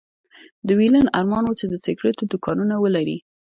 د ويلين ارمان و چې د سګرېټو دوکانونه ولري.